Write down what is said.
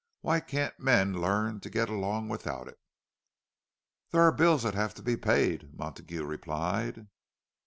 Why can't men learn to get along without it?" "There are bills that have to be paid," Montague replied.